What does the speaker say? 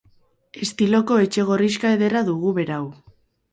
Estiloko etxe gorrixka ederra dugu berau.